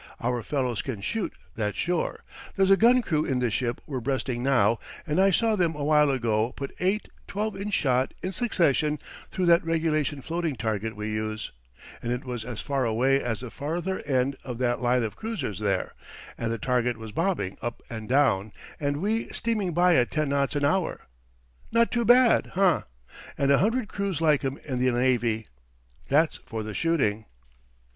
Our fellows can shoot, that's sure. There's a gun crew in this ship we're breasting now, and I saw them awhile ago put eight 12 inch shot in succession through that regulation floating target we use, and it was as far away as the farther end of that line of cruisers there, and the target was bobbing up and down, and we steaming by at 10 knots an hour. Not too bad hah? And a hundred crews like 'em in the navy. That's for the shooting."